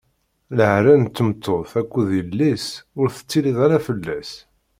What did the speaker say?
Leɛra n tmeṭṭut akked yelli-s, ur teṭṭiliḍ ara fell-as.